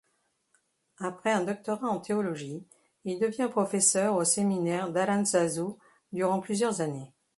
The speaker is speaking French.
Après un doctorat en théologie, il devient professeur au séminaire d'Arantzazu durant plusieurs années.